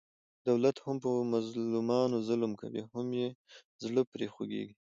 دولت هم په مظلومانو ظلم کوي، هم یې زړه پرې خوګېږي.